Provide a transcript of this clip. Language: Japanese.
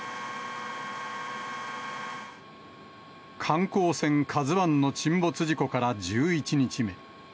観光船カズワンの沈没事故から１１日目。